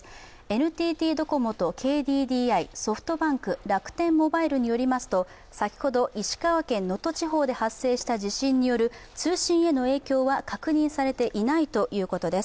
ＮＴＴドコモとＫＤＤＩ、ソフトバンク、楽天モバイルによりますと、先ほど石川県能登地方で発生した地震の影響による確認されていないということです。